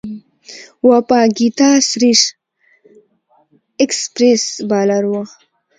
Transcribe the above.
وپاګیتا سريش ایکسپریس بالر وه.